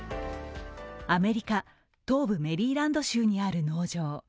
アメリカ東部メリーランド州にある農場。